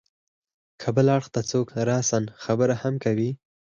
که بل اړخ ته څوک راسا خبره هم کوي.